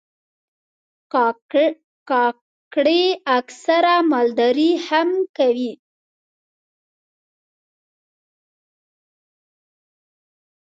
کاکړي اکثره مالداري هم کوي.